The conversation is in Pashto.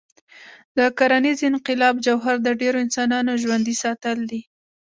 د کرنيز انقلاب جوهر د ډېرو انسانانو ژوندي ساتل دي.